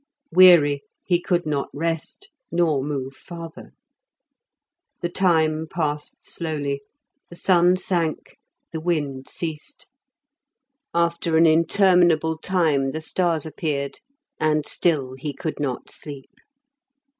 Weary, he could not rest, nor move farther. The time passed slowly, the sun sank, the wind ceased; after an interminable time the stars appeared, and still he could not sleep.